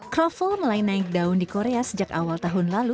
kroffel mulai naik daun di korea sejak awal tahun lalu